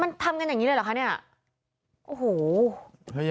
มันทำกันอย่างงี้เลยเหรอคะเนี๊ยะ